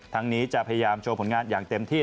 นี้จะพยายามโชว์ผลงานอย่างเต็มที่